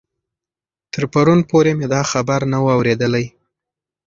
تر پرون پورې مې دا خبر نه و اورېدلی.